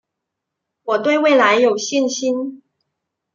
我对未来有信心